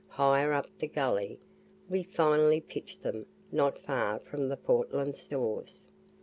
higher up the gully we finally pitched them not far from the Portland Stores.